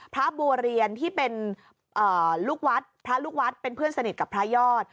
พระบัวเรียนที่เป็นลูกวัดพระลูกวัดเป็นเพื่อนสนิทกับพระยอด